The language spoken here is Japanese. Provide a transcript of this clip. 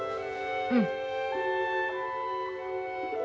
うん。